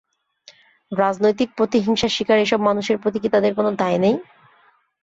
রাজনৈতিক প্রতিহিংসার শিকার এসব মানুষের প্রতি কি তাঁদের কোনো দায় নেই?